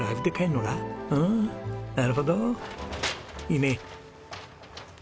うんなるほどいいね。